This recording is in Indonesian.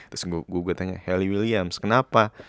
terus gue tanya hayley williams kenapa